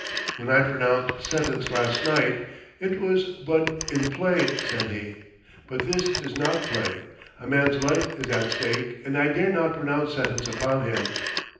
"When I pronounced sentence last night, it was but in play," said he. "But this is not play. A man's life is at stake, and I dare not pronounce sentence upon him."